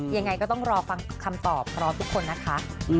ยังไงก็ต้องรอฟังคำตอบพร้อมทุกคนนะคะ